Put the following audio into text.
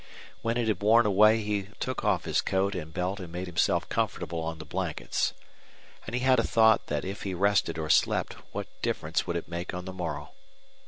When it had worn away he took off his coat and belt and made himself comfortable on the blankets. And he had a thought that if he rested or slept what difference would it make on the morrow?